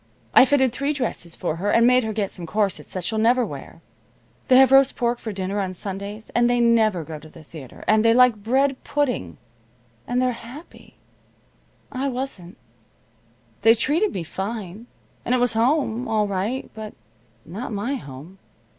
I fitted three dresses for her, and made her get some corsets that she'll never wear. They have roast pork for dinner on Sundays, and they never go to the theater, and they like bread pudding, and they're happy. I wasn't. They treated me fine, and it was home, all right, but not my home.